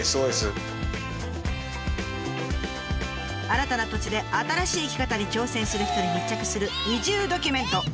新たな土地で新しい生き方に挑戦する人に密着する移住ドキュメント。